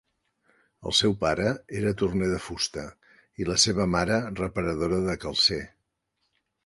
El seu pare era torner de fusta i la seva mare reparadora de calcer.